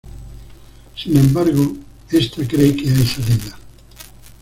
Sin embargo, esta cree que hay salida.